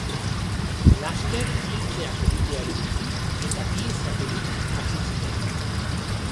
Laster iltzeak egiteari utzi, eta piezak egiten hasi ziren.